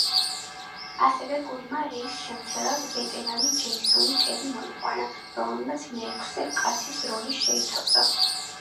ასევე გუნდმა რეის შემცვლელად ვეტერანი ჯეისონ ტერი მოიყვანა, რომელმაც მეექვსე კაცის როლი შეითავსა.